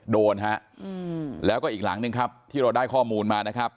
โดนฮะแล้วก็อีกหลังหนึ่งครับที่เราได้ข้อมูลมานะครับ